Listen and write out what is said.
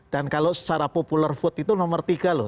dan kalau secara popular food itu nomor tiga loh